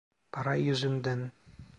Para yüzünden.